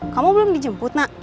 kamu belum dijemput nak